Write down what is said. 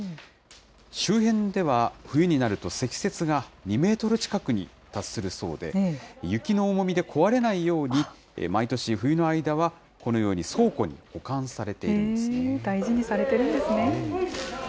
周辺では、冬になると積雪が２メートル近くに達するそうで、雪の重みで壊れないように、毎年冬の間は、このように倉庫に保管されているんで大事にされてるんですね。